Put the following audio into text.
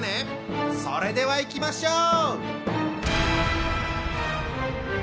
それではいきましょう！